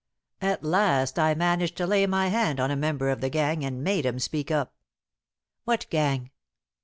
At last I managed to lay my hand on a member of the gang, and made him speak up." "What gang?"